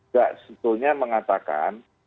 gak sebetulnya mengatakan